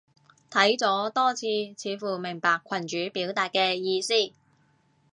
睇咗多次，似乎明白群主表達嘅意思